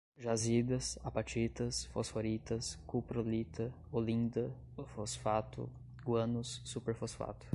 jazidas, apatitas, fosforitas, cuprolita, olinda, fosfato, guanos, superfosfato